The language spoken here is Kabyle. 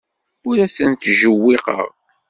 Ur asent-ttjewwiqeɣ.